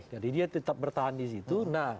jadi dia tetap bertahan disitu